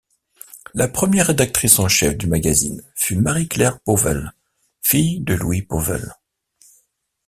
La première rédactrice en chef du magazine fut Marie-Claire Pauwels, fille de Louis Pauwels.